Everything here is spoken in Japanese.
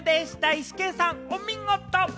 イシケンさん、お見事。